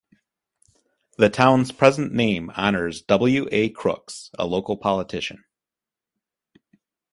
The town's present name honors W. A. Crooks, a local politician.